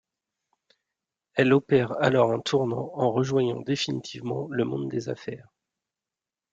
Elle opère alors un tournant en rejoignant définitivement le monde des affaires.